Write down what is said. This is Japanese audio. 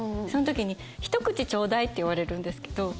その時に。って言われるんですけど。